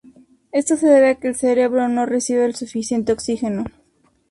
Esto se debe a que el cerebro no recibe el suficiente oxígeno.